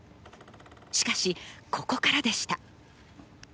しかしここからでした。